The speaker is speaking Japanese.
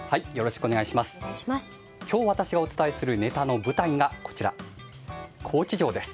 今日私がお伝えするネタの舞台が高知城です。